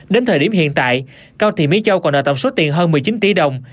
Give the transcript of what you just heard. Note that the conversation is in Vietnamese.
đến thời điểm hiện tại cao thị mỹ châu còn nợ tổng số tiền hơn một mươi chín tỷ đồng